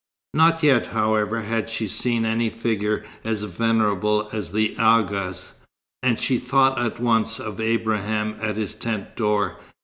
Not yet, however, had she seen any figure as venerable as the Agha's, and she thought at once of Abraham at his tent door.